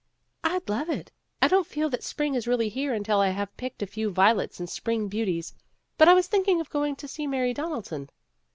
"I'd love it. I don't feel that spring is really here until I have picked a few violets and spring beauties. But I was thinking of going to see Mary Donaldson."